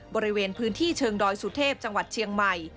บริเวณพื้นที่เชิงดอยสุเทพจังหวัดเชียงใหม่